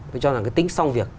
tôi cho rằng cái tính song việc